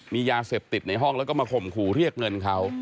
มียาเสพติดในห้องแล้วก็มาข่มขู่เรียกเงินเขา